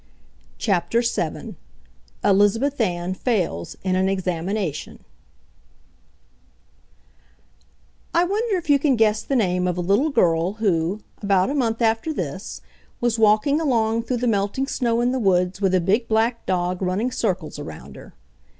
CHAPTER VII ELIZABETH ANN FAILS IN AN EXAMINATION I wonder if you can guess the name of a little girl who, about a month after this, was walking along through the melting snow in the woods with a big black dog running circles around her.